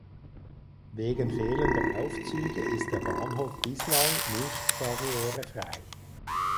Wegen fehlender Aufzüge ist der Bahnhof bislang nicht barrierefrei.